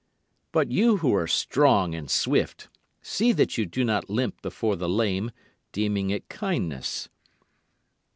But you who are strong and swift, see that you do not limp before the lame, deeming it kindness.